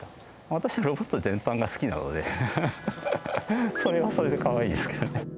私、ロボット全般が好きなので、それはそれでかわいいですけどね。